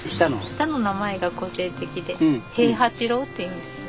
下の名前が個性的で平八郎っていうんです。